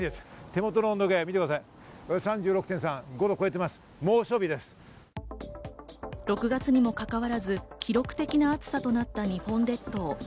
手元の時計３６．６月にもかかわらず記録的な暑さとなった日本列島。